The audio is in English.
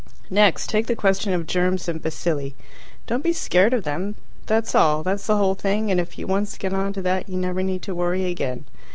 Next, take the question of germs and bacilli. Don't be scared of them. That's all. That's the whole thing, and if you once get on to that you never need to worry again.